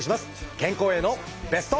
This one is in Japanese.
健康へのベスト。